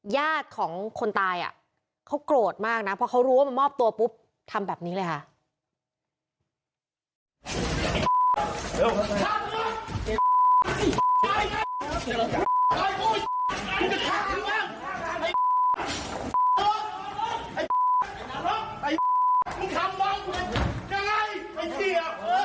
ญาติของคนตายเขาโกรธมากนะเพราะเขารู้ว่ามามอบตัวปุ๊บทำแบบนี้เลยค่ะ